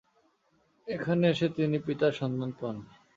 এখানে এসে তিনি পিতার সন্ধান পান।